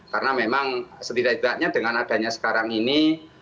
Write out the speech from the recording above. karena memang setidaknya dengan adanya sekarang ini